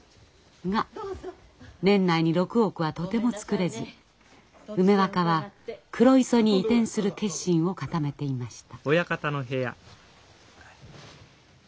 が年内に６億はとても作れず梅若は黒磯に移転する決心を固めていました。